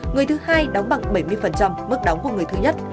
người thứ hai đóng bằng bảy mươi mức đóng của người thứ nhất